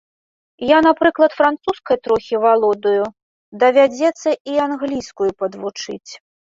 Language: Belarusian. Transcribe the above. Я, напрыклад, французскай трохі валодаю, давядзецца і англійскую падвучыць.